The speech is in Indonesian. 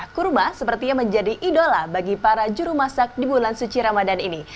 kurma sepertinya menjadi idola bagi para juru masak di bulan suci ramadan ini